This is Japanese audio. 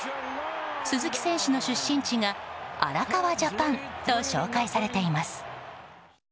鈴木選手の出身地がアラカワ・ジャパンと紹介されています。